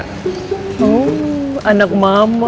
oh anak mama